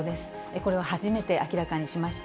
これを初めて明らかにしました。